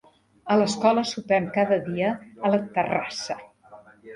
A l'escola sopem cada dia a la terrassa.